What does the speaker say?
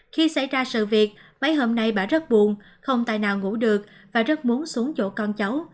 khi xảy ra sự việc mấy hôm nay bà rất buồn không tài nào ngủ được và rất muốn xuống dỗ con cháu